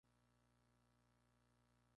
John McClain ejerció como productor ejecutivo.